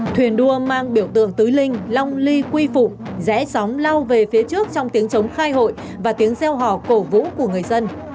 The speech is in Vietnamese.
thuyền đua mang biểu tượng tứ linh long ly quy phụ rẽ sóng lao về phía trước trong tiếng chống khai hội và tiếng gieo hò cổ vũ của người dân